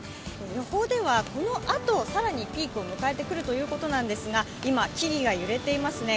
予報ではこのあと、更にピークを迎えてくるということですが今、木々が揺れていますね。